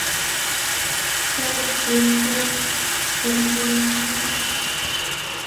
چرب وېښتيان ژر خیرن کېږي.